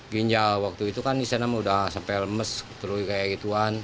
ginjal waktu itu kan di sana udah sampai lemes terus kayak gituan